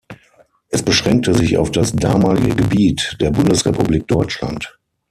Es beschränkte sich auf das damalige Gebiet der Bundesrepublik Deutschland.